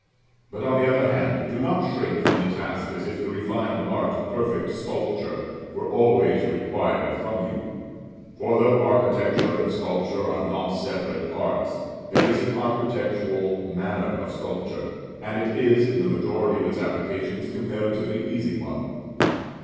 But, on the other hand, do not shrink from the task as if the refined art of perfect sculpture were always required from you. For, though architecture and sculpture are not separate arts, there is an architectural manner of sculpture; and it is, in the majority of its applications, a comparatively easy one.